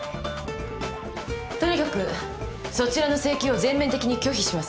とにかくそちらの請求を全面的に拒否します。